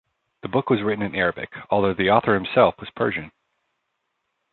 The book was written in Arabic, although the author himself was Persian.